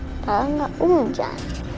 padahal gak hujan